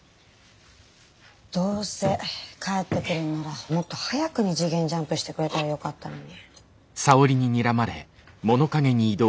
どうせ帰ってくるんならもっと早くに次元ジャンプしてくれたらよかったのに。